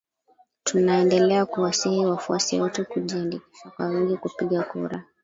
Tunaendelea kuwasihi wafuasi wetu kujiandikisha kwa wingi kupiga kura